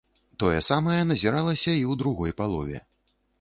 Тое самае назіралася і ў другой палове.